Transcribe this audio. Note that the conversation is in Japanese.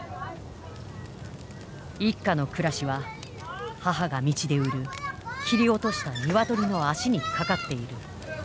一家の暮らしは母が道で売る切り落とした鶏の足にかかっている。